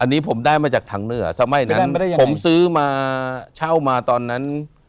อันนี้ผมได้มาจากทางเหนือสมัยนั้นไปได้มาได้ยังไงผมซื้อมาเช่ามาตอนนั้น